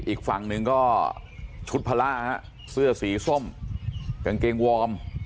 อีกฝั่งหนึ่งก็ชุดพลาฮะเสื้อสีส้มกางเกงวอร์ม